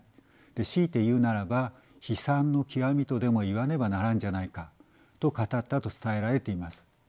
強いて言うならば悲惨の極みとでも言わねばならんじゃないか」と語ったと伝えられています。